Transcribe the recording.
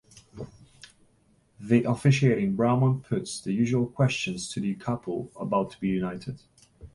The officiating Brahman puts the usual questions to the couple about to be united.